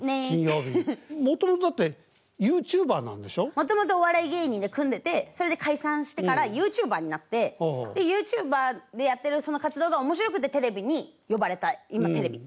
もともとお笑い芸人で組んでてそれで解散してからＹｏｕＴｕｂｅｒになってでＹｏｕＴｕｂｅｒでやってるその活動が面白くてテレビに呼ばれた今テレビっていう感じ。